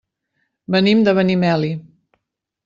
Venim de Benimeli.